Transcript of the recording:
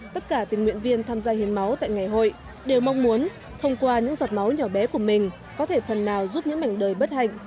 tất cả tình nguyện viên tham gia hiến máu tại ngày hội đều mong muốn thông qua những giọt máu nhỏ bé của mình có thể phần nào giúp những mảnh đời bất hạnh